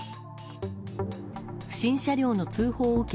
不審車両の通報を受け